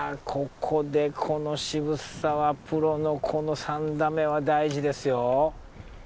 ここでこの澁澤プロのこの３打目は大事ですよ。